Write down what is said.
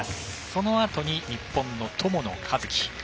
そのあとに日本の友野一希。